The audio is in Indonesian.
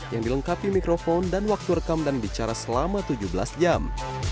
yang dilengkapi mikrofon dan waktu rekam dan bicara selama tujuh belas jam